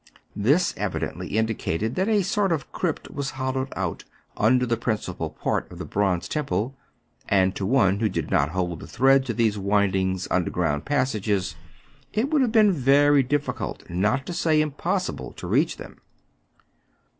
This evidently indicated that a sort of crypt was hollowed out under the principal part of the bonze temple ; and to one who did not hold the thread to these winding, underground passages, it would have been very difficult, not to say impos sible, to reach them.